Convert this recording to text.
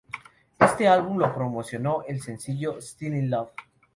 Este álbum lo promocionó el sencillo "Still In Love".